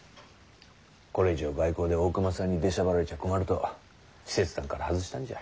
これ以上外交で大隈さんに出しゃばられちゃ困ると使節団から外したんじゃ。